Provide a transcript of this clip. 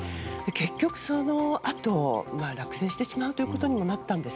結局、そのあと落選してしまうということにもなったんです。